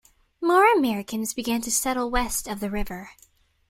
More Americans began to settle west of the river.